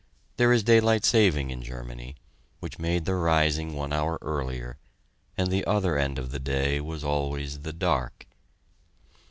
There is daylight saving in Germany, which made the rising one hour earlier, and the other end of the day was always the "dark."